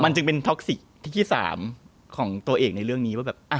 มันจึงเป็นท็อกซิกที่๓ของตัวเองในเรื่องนี้ว่าแบบ